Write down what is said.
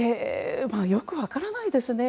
よく分からないですね。